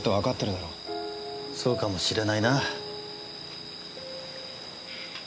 そうかもしれないな。